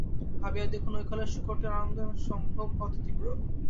ভাবিয়া দেখুন, ঐ কালে শূকরটির আনন্দসম্ভোগ কত তীব্র।